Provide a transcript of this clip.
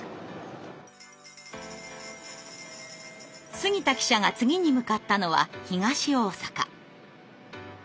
杉田記者が次に向かったのは東大阪。